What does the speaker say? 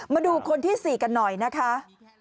มาดูคนที่๔กันหน่อยนะคะ